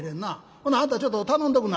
ほなあんたちょっと頼んでおくんなはれ」。